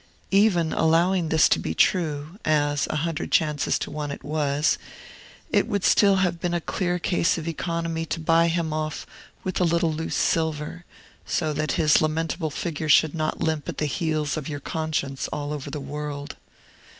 Even allowing this to be true (as, a hundred chances to one, it was), it would still have been a clear case of economy to buy him off with a little loose silver, so that his lamentable figure should not limp at the heels of your conscience all over the world.